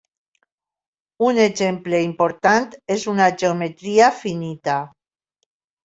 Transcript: Un exemple important és una geometria finita.